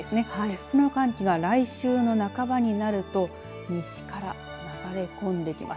その寒気が来週の半ばになると西から流れ込んできます。